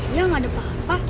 ya gak ada apa apa